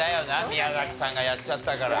宮崎さんがやっちゃったから。